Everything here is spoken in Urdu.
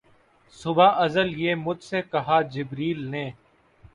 صبح ازل یہ مجھ سے کہا جبرئیل نے